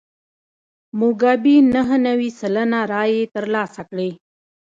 موګابي نهه نوي سلنه رایې ترلاسه کړې.